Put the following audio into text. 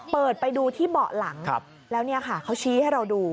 เปิดไปดูที่เบาะหลังแล้วเนี่ยค่ะเขาชี้ให้เราดู